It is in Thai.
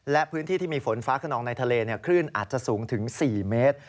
และพื้นที่ที่มีฝนฟ้าขนองในทะเลคลื่นอาจจะสูงถึง๔เมตร